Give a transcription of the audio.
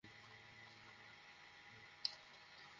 তোমার কাছে ভিক্ষা চাচ্ছি এভাবে পা বেঁধো না।